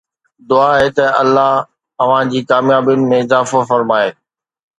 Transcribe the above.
دعا آهي ته الله اوهان جي ڪاميابين ۾ اضافو فرمائي